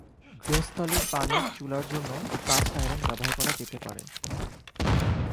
গৃহস্থালির পানির চুলার জন্য কাস্ট আয়রন ব্যবহার করা যেতে পারে।